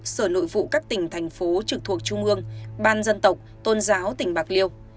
sở nội vụ các tỉnh thành phố trực thuộc trung ương ban dân tộc tôn giáo tỉnh bạc liêu